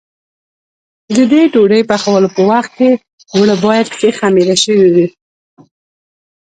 د دې ډوډۍ پخولو په وخت کې اوړه باید ښه خمېره شوي وي.